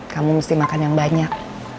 kamu mesti makan yang banyak